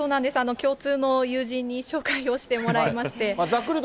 共通の友人に紹介をしてもらいまして。